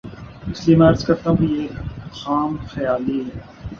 اس لیے میں عرض کرتا ہوں کہ یہ ایک خام خیالی ہے۔